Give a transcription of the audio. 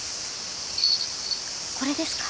これですか？